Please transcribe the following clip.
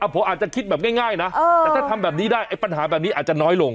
ผมอาจจะคิดแบบง่ายนะแต่ถ้าทำแบบนี้ได้ไอ้ปัญหาแบบนี้อาจจะน้อยลง